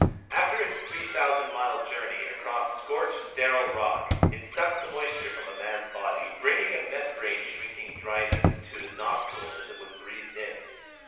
After its three thousand mile journey across scorched sterile rock, it sucked the moisture from a man's body, bringing a membrane shrinking dryness to the nostrils as it was breathed in.